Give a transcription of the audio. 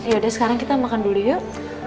yaudah sekarang kita makan dulu yuk